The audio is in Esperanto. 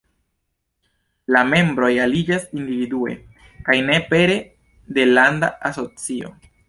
La membroj aliĝas individue, kaj ne pere de landa asocio.